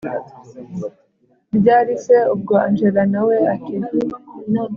ryari se ubwo angella nawe ati